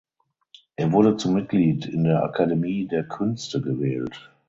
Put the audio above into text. Er wurde zum Mitglied in der Akademie der Künste gewählt.